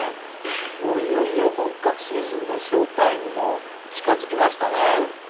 いよいよ本格シーズンのショウタイムも近づきましたね。